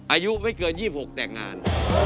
อายุไม่เกิน๒๖แต่งงาน